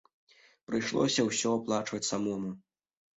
Прыйшлося ўсё аплачваць самому.